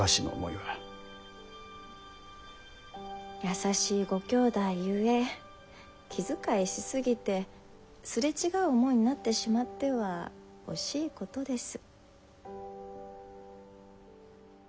優しいご兄弟ゆえ気遣いし過ぎてすれ違う想いになってしまっては惜しいことです。